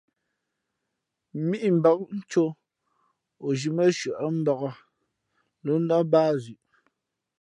Mímbak cō, o zhī mά nshʉαyάʼ mbǎk ló nά báá zʉʼ.